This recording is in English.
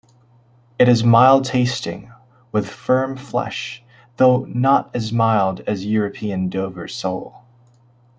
It is mild-tasting, with firm flesh, though "not as mild as European Dover sole".